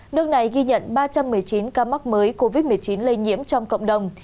nước này ghi nhận ba trăm một mươi chín ca mắc mới covid một mươi chín lây nhiễm trong cộng đồng